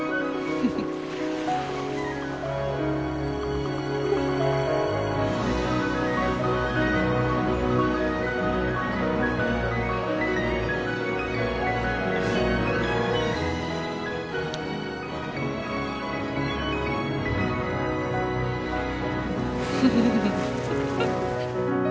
フフフフフ。